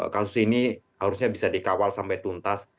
kasus ini harusnya bisa dikawal sampai tuntas